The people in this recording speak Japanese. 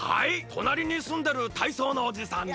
となりにすんでる体操のおじさんと。